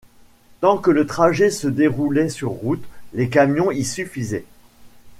Tant que le trajet se déroulait sur route, les camions y suffisaient.